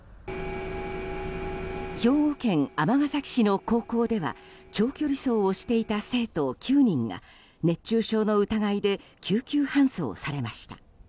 兵庫県尼崎市の高校では長距離走をしていた生徒９人が熱中症の疑いで救急搬送されました。